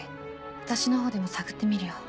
私の方でも探ってみるよ。